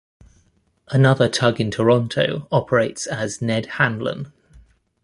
Another tug in Toronto operates as "Ned Hanlan".